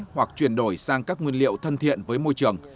hoặc chuyển đổi sang các nguyên liệu thân thiện với môi trường